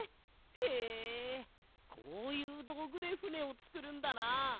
へえこういうどうぐでふねをつくるんだな。